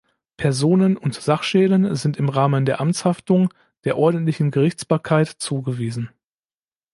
Personen- und Sachschäden sind im Rahmen der Amtshaftung der ordentlichen Gerichtsbarkeit zugewiesen.